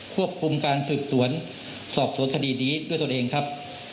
ควบคุมการสืบสวนสอบสวนคดีนี้ด้วยตนเองครับ